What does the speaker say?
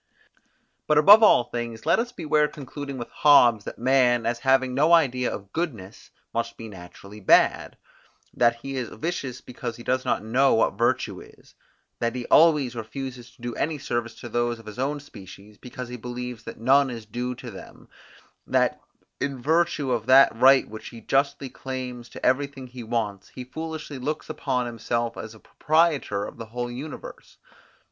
But above all things let us beware concluding with Hobbes, that man, as having no idea of goodness, must be naturally bad; that he is vicious because he does not know what virtue is; that he always refuses to do any service to those of his own species, because he believes that none is due to them; that, in virtue of that right which he justly claims to everything he wants, he foolishly looks upon himself as proprietor of the whole universe.